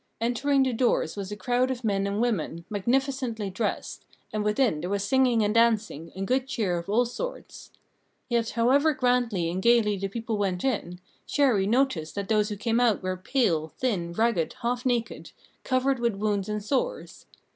Entering the doors was a crowd of men and women, magnificently dressed; and within there was singing and dancing, and good cheer of all sorts. Yet, however grandly and gaily the people went in, Chéri noticed that those who came out were pale, thin, ragged, half naked, covered with wounds and sores.